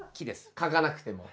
書かなくても。